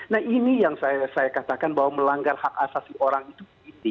nah ini yang saya katakan bahwa melanggar hak asasi orang itu